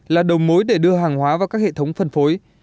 là đầu mối để đưa hàng hóa vào các hệ thống phân phối